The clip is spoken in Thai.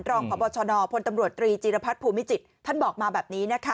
รองพบชนพลตำรวจตรีจีรพัฒน์ภูมิจิตท่านบอกมาแบบนี้นะคะ